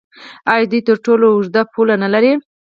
آیا دوی تر ټولو اوږده پوله نلري؟